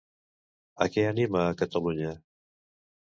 A què anima a Catalunya?